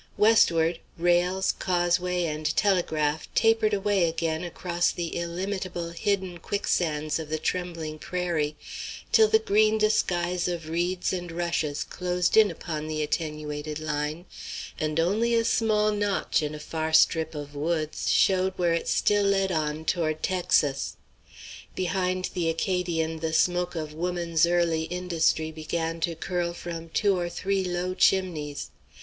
Westward, rails, causeway, and telegraph, tapered away again across the illimitable hidden quicksands of the "trembling prairie" till the green disguise of reeds and rushes closed in upon the attenuated line, and only a small notch in a far strip of woods showed where it still led on toward Texas. Behind the Acadian the smoke of woman's early industry began to curl from two or three low chimneys.